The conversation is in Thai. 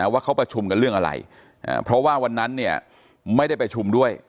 ว่าเขาประชุมกันเรื่องอะไรเพราะว่าวันนั้นเนี่ยไม่ได้ประชุมด้วย